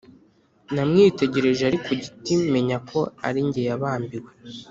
Namwitegereje ari ku giti menya ko arijye yabambiwe